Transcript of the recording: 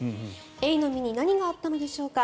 エイの身に何があったのでしょうか。